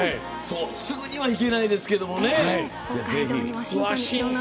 すぐには行けないですけどもね。